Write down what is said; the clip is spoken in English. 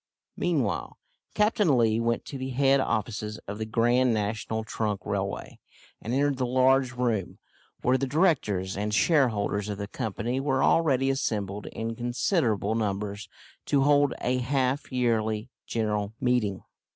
Meanwhile Captain Lee went to the head offices of the Grand National Trunk Railway, and entered the large room, where the directors and shareholders of the Company were already assembled in considerable numbers to hold a half yearly general meeting.